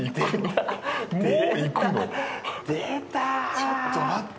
ちょっと待って。